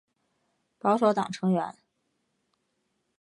保守党成员。